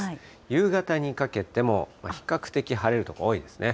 夕方にかけても、比較的晴れる所、多いですね。